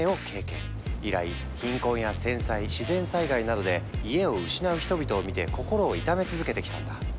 以来貧困や戦災自然災害などで家を失う人々を見て心を痛め続けてきたんだ。